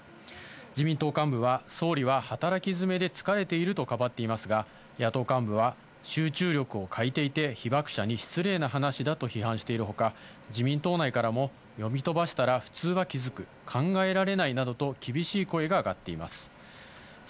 自民党幹部は、総理は働きづめで疲れているとかばっていますが、野党幹部は、集中力を欠いていて、被爆者に失礼な話だと批判しているほか、自民党内からも、読み飛ばしたらふつうは気付く、考えられないなどと厳しい声が上がっています。